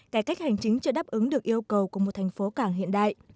cải cách hành chính chưa đáp ứng được yêu cầu của một thành phố cảng hiện đại